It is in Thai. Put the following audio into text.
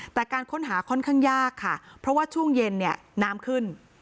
แต่การค้นหาค่อนข้างยากค่ะเพราะว่าช่วงเย็นเนี่ยน้ำขึ้น